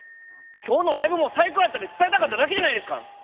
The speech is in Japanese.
今日のライブも最高やったって伝えたかっただけじゃないですか！